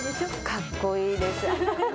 かっこいいです。